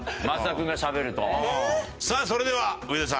さあそれでは上田さん